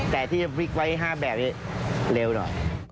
แต่ที่บริกไว้ห้าแบบเนี่ยเร็วหน่อย